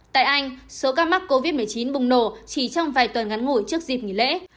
tại anh số ca mắc covid một mươi chín bùng nổ chỉ trong vài tuần ngắn ngủi trước dịp nghỉ lễ